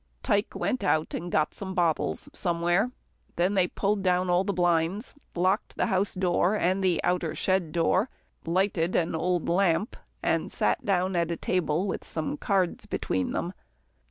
Tike went out and got some bottles somewhere. Then they pulled down all the blinds, locked the house door, and the outer shed door, lighted an old lamp, and sat down at a table with some cards between them.